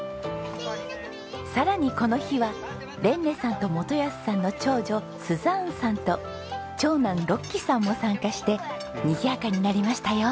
さらにこの日はレンネさんと基保さんの長女スザーンさんと長男禄基さんも参加してにぎやかになりましたよ。